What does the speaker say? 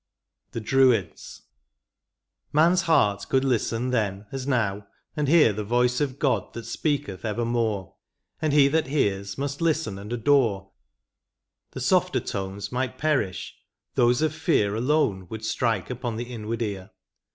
III. THE DRUIDS. Man's heart could listen then, as now, and hear The voice of God that speaketh evermore ; And he that hears must listen and adore ; The softer tones might perish, those of fear Alone would strike upon the inward ear.